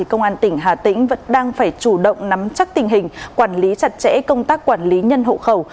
công an tỉnh hà tĩnh vẫn đang phải chủ động nắm chắc tình hình quản lý chặt chẽ công tác quản lý nhân hộ khẩu